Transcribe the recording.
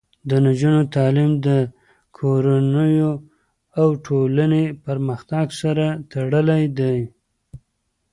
د نجونو تعلیم د کورنیو او ټولنې پرمختګ سره تړلی دی.